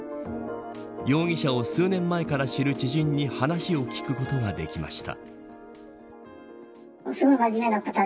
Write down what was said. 容疑者を数年前から知る知人に話を聞くことができました。